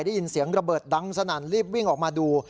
ได้ยินเสียงระเบิดดังสนั่นรีบวิ่งออกมาดู